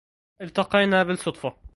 التقينا بالصدفة.